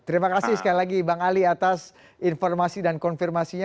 terima kasih sekali lagi bang ali atas informasi dan konfirmasinya